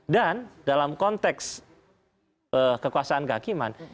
dan dalam konteks kekuasaan kehakiman